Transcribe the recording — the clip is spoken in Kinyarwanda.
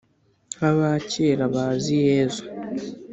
nk'aba kera bazi yezu.